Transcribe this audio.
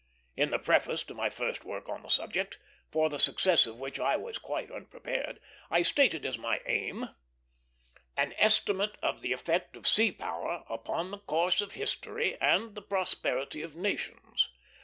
In the preface to my first work on the subject, for the success of which I was quite unprepared, I stated this as my aim: "An estimate of the effect of Sea Power upon the course of history and the prosperity of nations